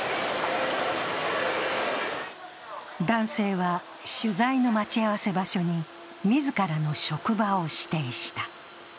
男性は、取材の待ち合わせ場所に自らの職場を指定した。